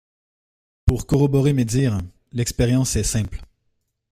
Pour corroborer mes dires, l’expérience est simple.